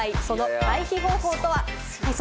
その回避方法とは？